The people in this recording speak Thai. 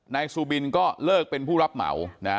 ซูบินก็เลิกเป็นผู้รับเหมานะ